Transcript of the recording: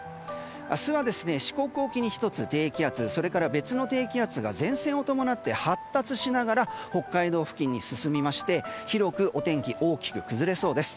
明日は四国沖に１つ低気圧それから別の低気圧が前線を伴って発達しながら北海道付近に進みまして広くお天気大きく崩れそうです。